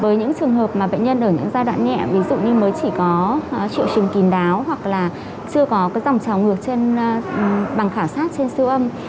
với những trường hợp mà bệnh nhân ở những giai đoạn nhẹ ví dụ như mới chỉ có triệu chứng kỳ đáo hoặc là chưa có dòng trào ngược khảo sát trên siêu âm